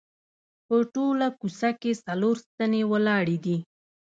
په ټوله کوڅه کې څلور ستنې ولاړې دي.